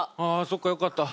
そっかよかった。